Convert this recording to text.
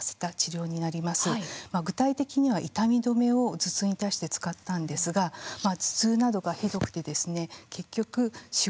具体的には痛み止めを頭痛に対して使ったんですが頭痛などがひどくてですね結局仕事を辞めることになったんです。